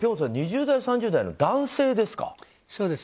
辺さん２０代、３０代の男性ですか。